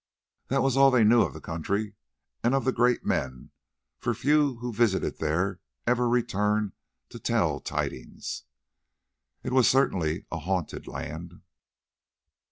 That was all they knew of the country and of the great men, for few who visited there ever returned to tell tidings. It was certainly a haunted land.